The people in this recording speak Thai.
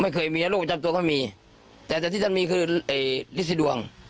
ไม่เคยมีแล้วโรคประจำตัวก็มีแต่แต่ที่ฉันมีคือเอ่ยฤทธิดวง